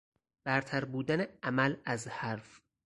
برتر بودن عمل از حرف